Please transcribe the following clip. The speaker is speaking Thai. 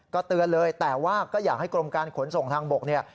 ก็เตือนเลยแต่ว่าก็อยากให้กรมการขนส่งทางบกเนี่ย